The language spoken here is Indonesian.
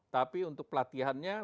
tapi untuk pelatihannya